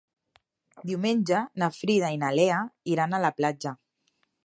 Diumenge na Frida i na Lea iran a la platja.